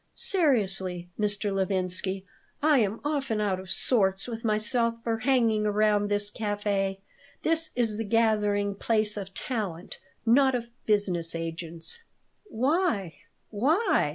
"Seriously, Mr. Levinsky, I am often out of sorts with myself for hanging around this café. This is the gathering place of talent, not of business agents." "Why? Why?"